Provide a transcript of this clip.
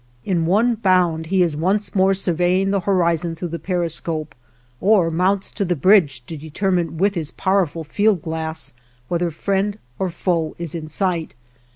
In one bound he is once more surveying the horizon through the periscope, or mounts to the bridge to determine with his powerful field glass whether friend or foe is in sight.